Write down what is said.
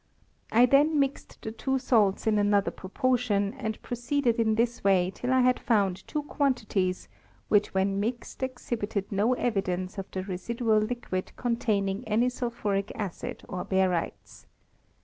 I then mixed the two salts in another proportion, and proceeded in this way till I had found two quantities which when mixed exhibited no evidence of the residual liquid containing any sulphuric acid or barytes.